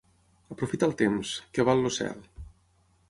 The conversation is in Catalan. Aprofita el temps, que val el cel.